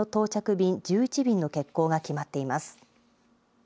便１１便の欠航が決まっています。